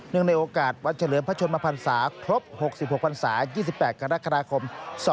ในโอกาสวันเฉลิมพระชนมพันศาครบ๖๖พันศา๒๘กรกฎาคม๒๕๖